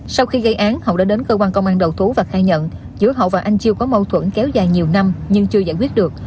sau khi gây án hậu đã đến cơ quan công an đầu thú và khai nhận giữa hậu và anh chiêu có mâu thuẫn kéo dài nhiều năm nhưng chưa giải quyết được